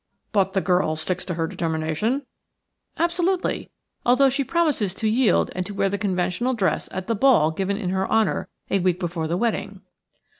"But the girl sticks to her determination?" "Absolutely, although she promises to yield and to wear the conventional dress at the ball given in her honour a week before the wedding."